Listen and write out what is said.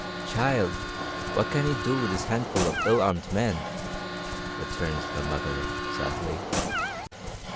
"Child, what can he do with this handful of ill armed men?" returned the mother sadly.